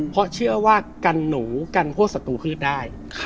เพราะเชื่อว่ากันหนูกันพวกศัตรูพืชได้